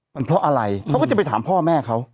มันเพราะอะไรเขาก็จะไปถามพ่อแม่เขา